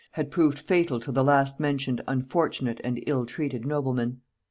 had proved fatal to the last mentioned unfortunate and ill treated nobleman.